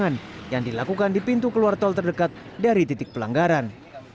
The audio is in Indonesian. dan penyelenggaraan yang dilakukan di pintu keluar tol terdekat dari titik pelanggaran